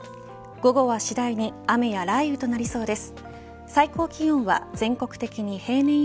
午後は次第に雨や雷雨となりそうです。